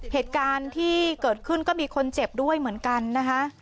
เหตุการณ์ที่เกิดขึ้นก็มีคนเจ็บด้วยเหมือนกันนะคะ